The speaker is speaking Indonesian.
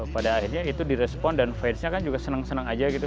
pada akhirnya itu direspon dan fansnya kan juga senang senang aja gitu